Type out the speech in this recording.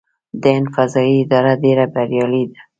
د هند فضايي اداره ډیره بریالۍ ده.